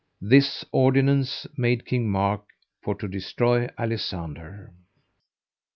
This ordinance made King Mark for to destroy Alisander.